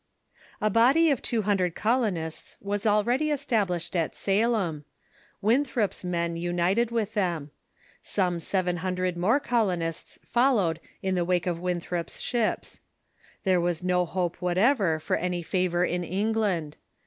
A body of two hundred colonists was already established at Salem. Winthrop's men united with them. Some seven hun dred more colonists followed in the wake of Winthrop's ships. There was no hope whatever for any favor in England.